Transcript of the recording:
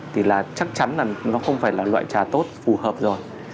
thì là chắc chắn là nó không phải là loại trà tốt phù hợp rồi